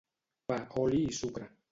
Pa oli i sucre